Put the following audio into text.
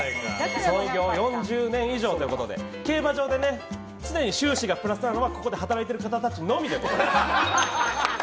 創業４０年以上ということで競馬場で常に収支がプラスなのはここで働いている方たちのみです。